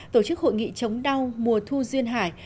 tổ chức hội nghị chống đau mùa thu duyên hải